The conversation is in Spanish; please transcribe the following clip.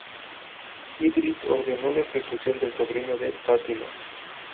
Idris ordenó la ejecución del sobrino de Fatima.